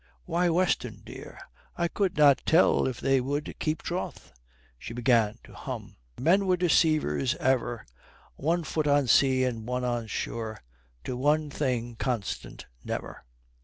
"Why, Weston; dear, I could not tell if they would keep troth." She began to hum: "Men were deceivers ever, One foot on sea, and one on shore, To one thing constant never."